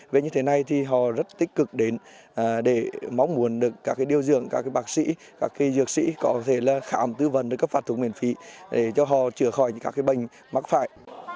về như thế này thì họ rất tích cực đến để mong muốn được các điều dưỡng các bác sĩ các dược sĩ có thể là khám tư vấn được cấp phát thuốc miễn phí để cho họ chữa khỏi các bệnh mắc phải